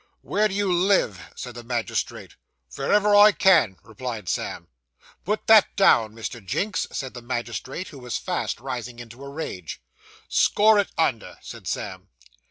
'Where do you live?' said the magistrate. 'Vere ever I can,' replied Sam. 'Put down that, Mr. Jinks,' said the magistrate, who was fast rising into a rage. 'Score it under,' said Sam.